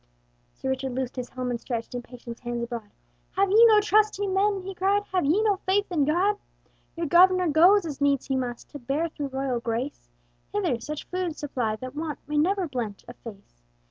Sir Richard loosed his helm, and stretched Impatient hands abroad: "Have ye no trust in man?" he cried, "Have ye no faith in God? "Your Governor goes, as needs he must, To bear through royal grace, Hither, such food supply, that want May never blench a face.